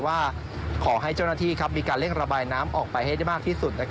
ว่าขอให้เจ้าหน้าที่มีการเร่งระบายน้ำออกไปให้ได้มากที่สุด